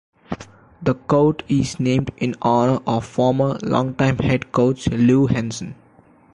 The court is named in honor of former long-time head coach Lou Henson.